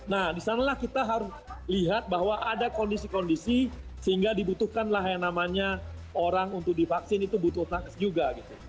nah disanalah kita harus lihat bahwa ada kondisi kondisi sehingga dibutuhkanlah yang namanya orang untuk divaksin itu butuh nakes juga